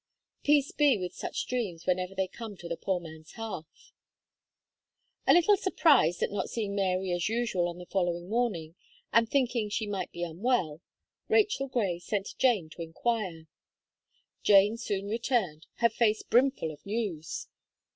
Peace be with such dreams whenever they come to the poor man's hearth! A little surprised at not seeing Mary as usual on the following morning, and thinking she might be unwell, Rachel Gray sent Jane to enquire. Jane soon returned, her face brimful of news.